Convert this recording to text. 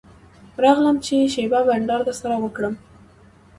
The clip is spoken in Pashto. راغلم چې یوه شېبه بنډار درسره وکړم.